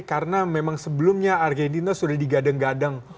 karena memang sebelumnya argentina sudah digadang gadang